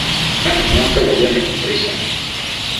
Na ehia sɛ wɔyɛ me oprehyɛn.